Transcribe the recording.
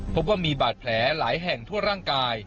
พบว่ามีบาดแผลหลายแห่งทั่วร่างกาย